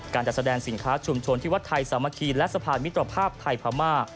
การจัดแสดงสินค้าชุมชนที่วัดไทยสามัคคีและสะพานมิตรภาพไทยพม่า